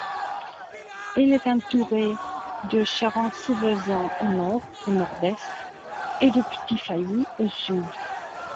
Elle est entourée de Charency-Vezin au nord et nord-est et de Petit-Failly au sud.